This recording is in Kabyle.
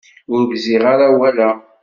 Ur gziɣ ara awal-a.